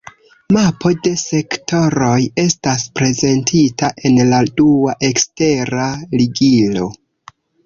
Mapo de sektoroj estas prezentita en la dua ekstera ligilo.